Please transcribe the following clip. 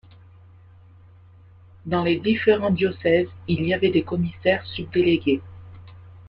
Dans les différents diocèses, il y avait des commissaires subdélégués.